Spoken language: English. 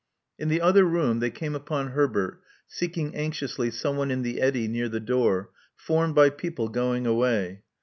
In the other room they came upon Herbert, seeking anxiously someone in the eddy near the door, formed by people going away.